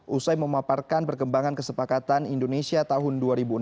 usai memaparkan perkembangan kesepakatan indonesia tahun dua ribu enam belas